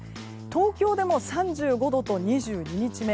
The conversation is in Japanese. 東京でも３５度と２２日目。